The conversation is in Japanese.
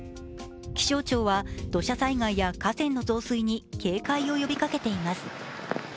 気象庁は土砂災害や河川の増水に警戒を呼びかけています。